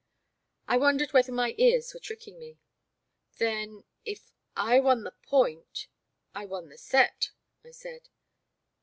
I wondered whether my ears were tricking me. " Then — ^if I won the point — I won the set," I said.